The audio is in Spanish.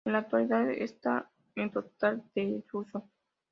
En la actualidad está en total desuso.